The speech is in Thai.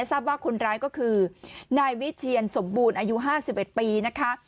ทราบว่าคนร้ายก็คือนายวิเชียนสมบูรณ์อายุ๕๑ปีนะคะ